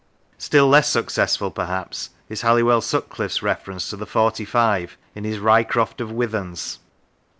Still less successful, perhaps, is Halliwell Sutcliife's reference to the Forty five in his " Ricroft of Withens."